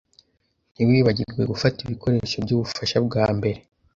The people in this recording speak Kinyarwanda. Ntiwibagirwe gufata ibikoresho byubufasha bwambere.